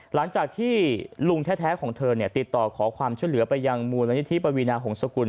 หลังจากที่ลุงแท้ของเธอติดต่อขอความช่วยเหลือไปยังหมู่รายละเอียดที่ปะวีนาของสกุล